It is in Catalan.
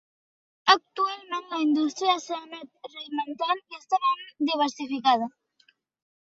Actualment, la indústria s'ha anat reinventant i està ben diversificada.